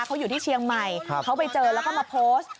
เขาอยู่ที่เชียงใหม่เขาไปเจอแล้วก็มาโพสต์